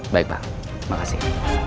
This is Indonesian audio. baik pak makasih